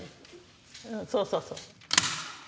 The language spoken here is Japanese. そうそうそう。